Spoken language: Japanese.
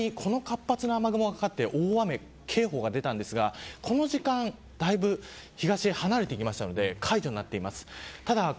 けさ屋久島にこの活発な雨雲がかかって大雨警報が出たんですがこの時間、だいぶ東へ離れていきましたので解除になっています。